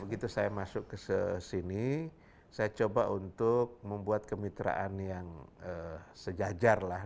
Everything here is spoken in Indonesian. begitu saya masuk ke sini saya coba untuk membuat kemitraan yang sejajar lah